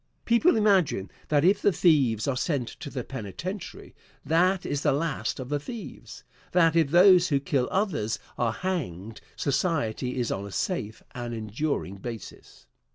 People imagine that if the thieves are sent to the penitentiary, that is the last of the thieves; that if those who kill others are hanged, society is on a safe and enduring basis.